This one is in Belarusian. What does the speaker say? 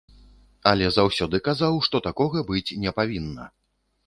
Але заўсёды казаў, што такога быць не павінна.